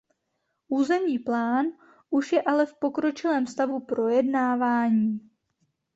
Územní plán už je ale v pokročilém stavu projednávání.